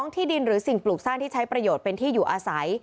ที่ดินหรือสิ่งปลูกสร้างที่ใช้ประโยชน์เป็นที่อยู่อาศัย